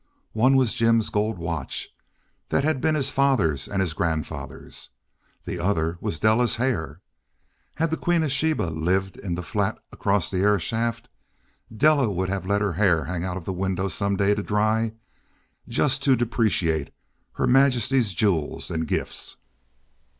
One was Jim's gold watch that had been his father's and his grandfather's. The other was Della's hair. Had the Queen of Sheba lived in the flat across the airshaft, Della would have let her hair hang out the window some day to dry just to depreciate Her Majesty's jewels and gifts.